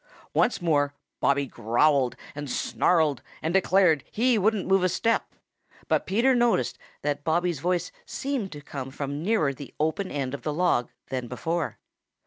Once more Bobby growled and snarled and declared he wouldn't move a step, but Peter noticed that Bobby's voice seemed to come from nearer the open end of the log than before.